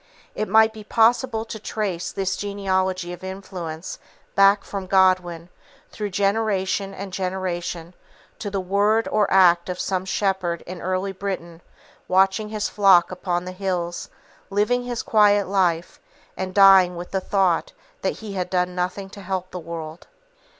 It might be possible to trace this genealogy of influence back from Godwin, through generation and generation, to the word or act of some shepherd in early Britain, watching his flock upon the hills, living his quiet life, and dying with the thought that he had done nothing to help the world.